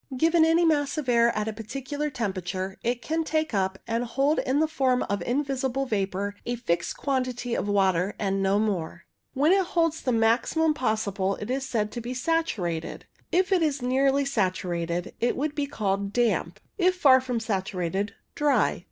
Given any mass of air at a particular tempera ture, it can take up and hold in the form of invisible CLOUD CONDENSATION 87 vapour a fixed quantity of water, and no more. When it holds the maximum possible it is said to be saturated. If it is nearly saturated it would be called damp ; if far from saturated, dry.